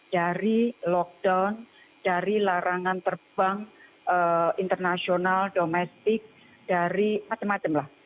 dari lockdown dari larangan terbang internasional domestik dari macam macam lah